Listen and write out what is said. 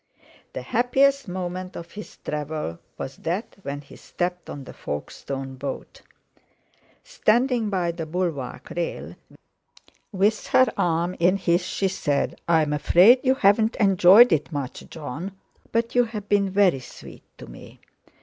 The happiest moment of his travel was that when he stepped on to the Folkestone boat. Standing by the bulwark rail, with her arm in his, she said "I'm afraid you haven't enjoyed it much, Jon. But you've been very sweet to me."